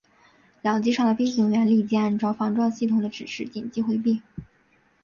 两机上的飞行员立即按照防撞系统的指示紧急回避。